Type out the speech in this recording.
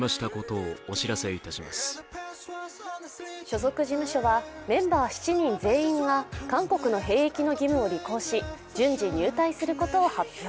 所属事務所はメンバー７人全員が韓国の兵役の義務を履行し順次入隊することを発表。